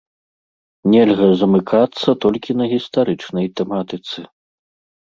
Нельга замыкацца толькі на гістарычнай тэматыцы.